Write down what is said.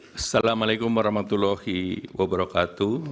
wassalamu alaikum warahmatullahi wabarakatuh